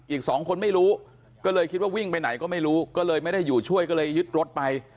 อีกสองคนไม่รู้ก็เลยคิดว่าวิ่งไปไหนก็ไม่รู้ก็เลยไม่ได้อยู่ช่วยก็เลยยึดรถไป